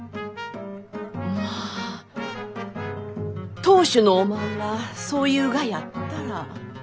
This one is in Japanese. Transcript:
まあ当主のおまんがそう言うがやったら。